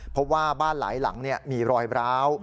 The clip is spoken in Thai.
เพราะว่าบ้านหลายหลังมีรอยร้าว